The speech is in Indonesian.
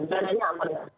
dan hanya aman